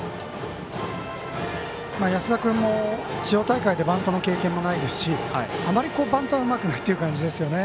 安田君も地方大会でバントの経験もないですし、あまりバントはうまくないって感じですよね。